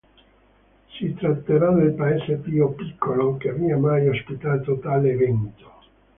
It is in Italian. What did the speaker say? Si tratterà del Paese più piccolo che abbia mai ospitato tale evento.